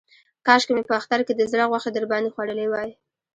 کاشکې مې په اختر کې د زړه غوښې در باندې خوړلې وای.